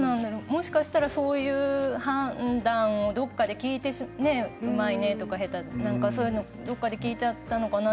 もしかしたら、そういう判断をどこかでうまいね、下手だねとかそういうのをどこがで聞いちゃったのかな